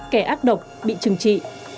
kẻ ác độc bị trừng trị